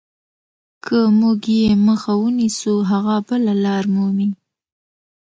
که موږ یې مخه ونیسو هغه بله لار مومي.